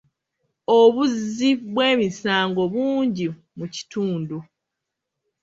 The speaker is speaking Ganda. Obuzzi bw'emisango bungi mu kitundu.